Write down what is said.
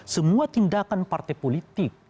semua tindakan partai politik